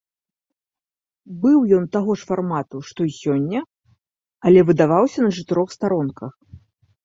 Быў ён таго ж фармату, што й сёння, але выдаваўся на чатырох старонках.